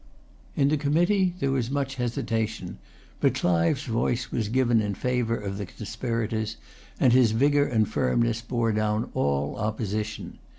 In the committee there was much hesitation; but Clive's voice was given in favour of the conspirators, and his vigour and firmness bore down all opposition.